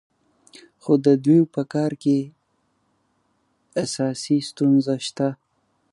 خو د دوی په کار کې اساسي ستونزه شته.